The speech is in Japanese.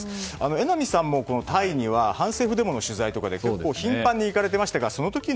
榎並さんもタイには反政府デモの取材などで結構頻繁に行かれていましたが